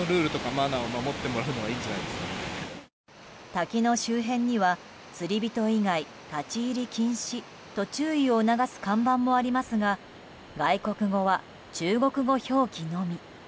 滝の周辺には釣り人以外立ち入り禁止と注意を促す看板もありますが外国語は、中国語表記のみ。